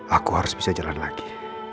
aku harus bisa jalan lagi